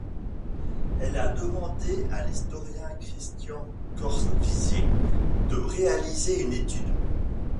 Elle a demandé à l’historien Christian Corvisier de réaliser une étude.